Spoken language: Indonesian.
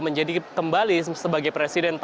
menjadi kembali sebagai presiden